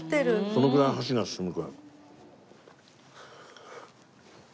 そのぐらい箸が進む。